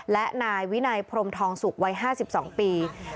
และนายวินัยพรมทองสุกวัย๕๒ปี